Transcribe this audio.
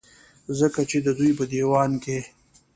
ځکه چې د دوي پۀ ديوان کې